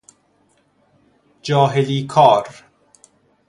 جاهلی کار